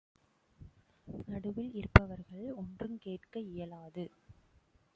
நடுவில் இருப்பவர்கள் ஒன்றுங் கேட்க இயலாது.